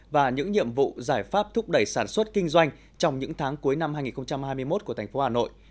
và những nhiệm vụ giải pháp thúc đẩy sản xuất kinh doanh trong những tháng cuối năm hai nghìn hai mươi một của thành phố hà nội